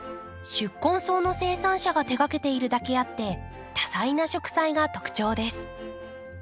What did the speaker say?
宿根草の生産者が手がけているだけあって多彩な植栽が特徴です。